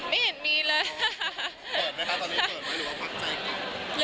เกิดไหมคะตอนนี้เกิดไหมหรือว่ามักเจออีก